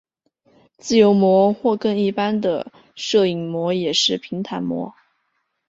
自由模或更一般的射影模也是平坦模。